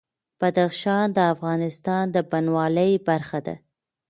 بدخشان د افغانستان د بڼوالۍ برخه ده.